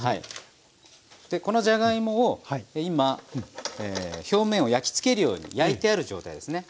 このじゃがいもを今表面を焼き付けるように焼いてある状態ですね。